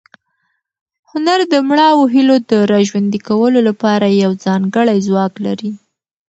هنر د مړاوو هیلو د راژوندي کولو لپاره یو ځانګړی ځواک لري.